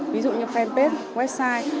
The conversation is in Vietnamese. ví dụ như fanpage website